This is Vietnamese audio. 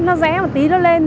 nó rẽ một tí nó lên